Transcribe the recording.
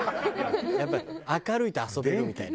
やっぱり明るいと遊べるみたいな。